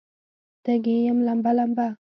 تږې یم لمبه، لمبه